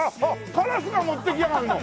カラスが持っていきやがるの！